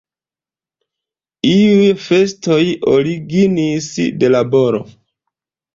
Iuj festoj originis de laboro.